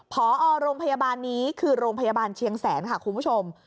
พอโรงพยาบาลนี้คือโรงพยาบาลเชียงแสนค่ะคุณผู้ชม